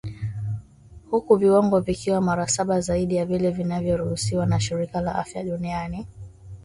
huku viwango vikiwa mara saba zaidi ya vile vinavyoruhusiwa na shirika la afya duniani